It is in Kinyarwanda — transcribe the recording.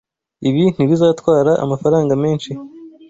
Ibi ntibizatwara amafaranga menshi.